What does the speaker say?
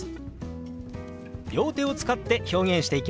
両手を使って表現していきますよ。